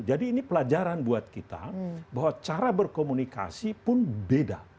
jadi ini pelajaran buat kita bahwa cara berkomunikasi pun beda